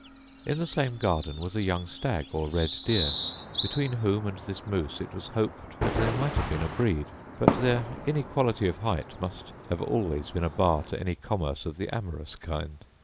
In the same garden was a young stag, or red deer, between whom and this moose it was hoped that there might have been a breed; but their inequality of height must have always been a bar to any commerce of the amorous kind.